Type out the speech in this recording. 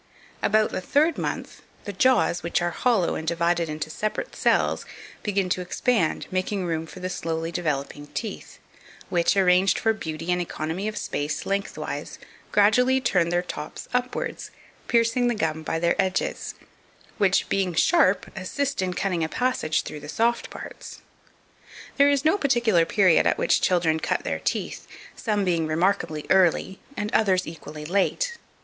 About the third month, the jaws, which are hollow and divided into separate cells, begin to expand, making room for the slowly developing teeth, which, arranged for beauty and economy of space lengthwise, gradually turn their tops upwards, piercing the gum by their edges, which, being sharp, assist in cutting a passage through the soft parts. There is no particular period at which children cut their teeth, some being remarkably early, and others equally late.